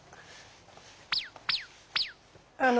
あの。